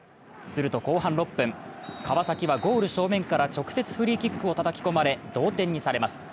すると、後半６分、川崎はゴール正面から直接フリーキックをたたき込まれ、同点にされます。